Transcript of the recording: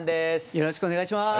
よろしくお願いします。